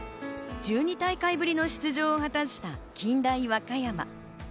１２大会ぶりの出場を果たした近大和歌山。